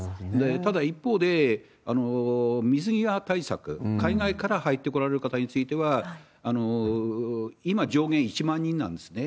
ただ、一方で水際対策、海外から入って来られる方については、今、上限１万人なんですね。